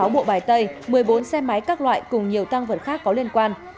sáu mươi sáu bộ bài tây một mươi bốn xe máy các loại cùng nhiều tăng vật khác có liên quan